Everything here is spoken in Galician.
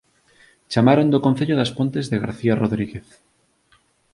Chamaron do Concello das Pontes de García Rodríguez